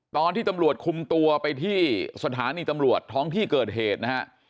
ตอนที่ตำรวจคุมตัวไปที่สถานีตำรวจท้องที่เกิดเหตุนะฮะ